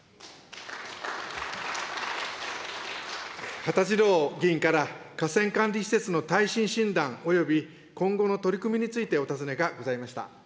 羽田次郎議員から、河川管理施設の耐震診断および今後の取り組みについてお尋ねがございました。